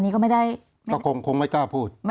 ก็คงไม่กล้าพูด